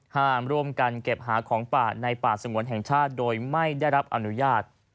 ร่วมกันเก็บหาของป่าในป่าสงวนแห่งชาติโดยไม่ได้รับอนุญาต